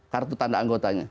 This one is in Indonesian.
kartu tanda anggotanya